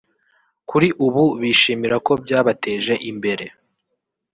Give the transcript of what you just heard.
kuri ubu bishimira ko byabateje imbere